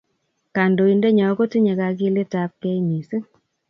Kandoindenyo kotinyei kakilet ab kei mising